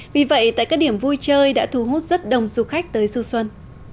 vì vậy tại các điểm vui chơi đã thu hút rất đông du khách tới du xuân